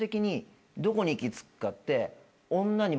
どこに行き着くかって。